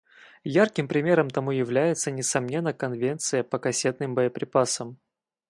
Ярким примером тому является, несомненно, Конвенция по кассетным боеприпасам.